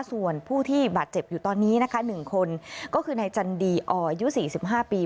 ส่วนผู้ที่บาดเจ็บอยู่ตอนนี้นะคะ๑คนก็คือนายจันดีอออายุ๔๕ปี